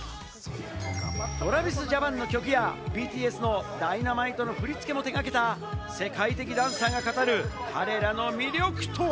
ＴｒａｖｉｓＪａｐａｎの曲やＢＴＳの『Ｄｙｎａｍｉｔｅ』の振り付けも手がけた世界的ダンサーが語る彼らの魅力とは？